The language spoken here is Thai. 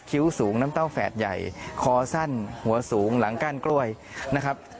สูงน้ำเต้าแฝดใหญ่คอสั้นหัวสูงหลังก้านกล้วยนะครับ